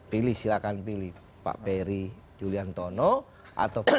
pilih silakan pilih pak peri juliantono atau pak arija